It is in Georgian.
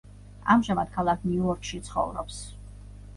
ამჟამად ქალაქ ნიუ-იორკში ცხოვრობს.